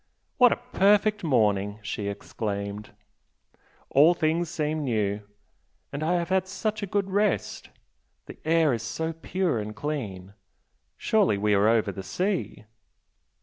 "What a perfect morning!" she exclaimed "All things seem new! And I have had such a good rest! The air is so pure and clean surely we are over the sea?"